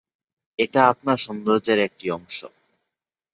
এটা আপনার সৌন্দর্যের একটা অংশ।